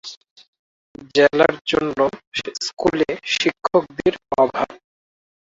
জেলার জন্য স্কুলে শিক্ষকদের অভাব।